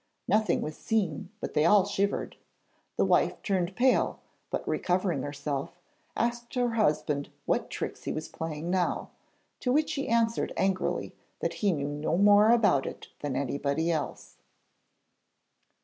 Nothing was seen, but they all shivered. The wife turned pale, but, recovering herself, asked her husband what tricks he was playing now, to which he answered angrily that he knew no more about it than anybody else.